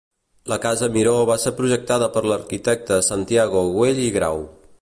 La Casa Miró va ser projectada per l'arquitecte Santiago Güell i Grau.